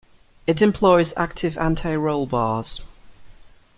It employs active anti-roll bars.